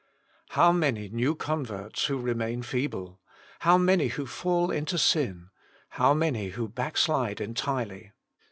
How many new converts who remain feeble ; how many who fall into sin ; how many who backslide entirely.